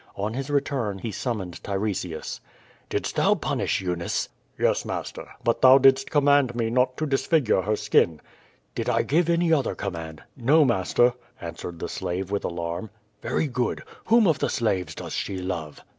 On his return he summoned Tiresias. "Didst thou punish Eunice?" "Yes, master. But thou didst command me not to dis figure her skin." "Did I give any other command?" No, master," answered the slave, with alarm. ''Very good. Whom of the slaves does she love?"